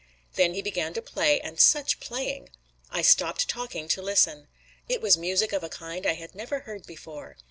Then he began to play; and such playing! I stopped talking to listen. It was music of a kind I had never heard before.